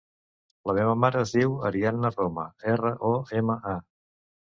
La meva mare es diu Ariadna Roma: erra, o, ema, a.